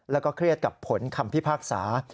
แล้วก็เครียดกับผลคำพิพากษา